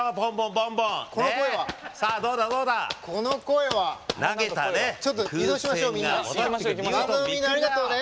バンドのみんなありがとうね。